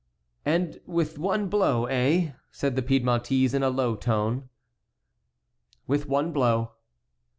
"And with one blow, eh?" said the Piedmontese in a low tone. "With one blow."